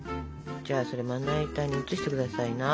じゃあそれまな板に移して下さいな。